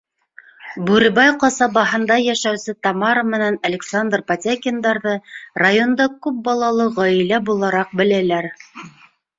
Бүребай ҡасабаһында йәшәүсе Тамара менән Александр Потякиндарҙы районда күп балалы ғаилә булараҡ беләләр.